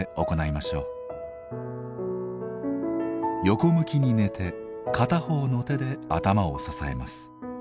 横向きに寝て片方の手で頭を支えます。